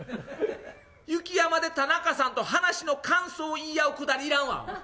雪山で田中さんと話の感想言い合うくだりいらんわ。